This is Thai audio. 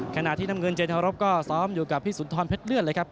ขณะที่น้ำเงินเจนรบก็ซ้อมอยู่กับพี่สุนทรเพชรเลื่อนเลยครับ